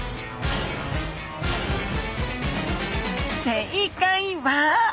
正解は？